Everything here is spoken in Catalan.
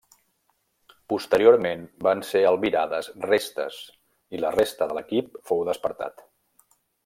Posteriorment van ser albirades restes i la resta de l'equip fou despertat.